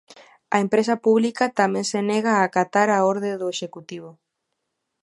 A empresa pública tamén se nega a acatar a orde do Executivo.